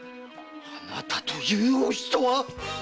あなたというお人は！